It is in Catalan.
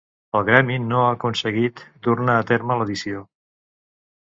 El gremi no ha aconseguit dur-ne a terme l'edició.